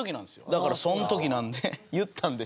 だからその時なんで言ったんでしょうね。